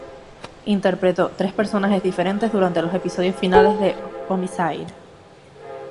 Interpretó tres personajes diferentes durante los episodios finales de "Homicide".